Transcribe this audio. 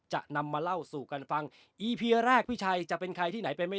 จะนำมาเล่าสู่กันฟังอีพีแรกพี่ชัยจะเป็นใครที่ไหนเป็นไม่